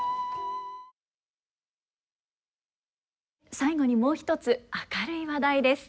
最後にもう一つ明るい話題です。